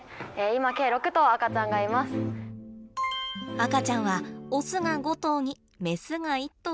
赤ちゃんはオスが５頭にメスが１頭です。